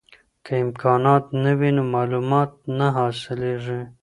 که امکانات نه وي نو معلومات نه حاصلیږي.